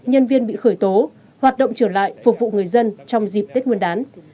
nhân viên bị khởi tố hoạt động trở lại phục vụ người dân trong dịp tết nguyên đán